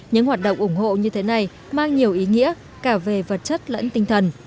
những hoạt động ủng hộ như thế này mang nhiều ý nghĩa cả về vật chất lẫn tinh thần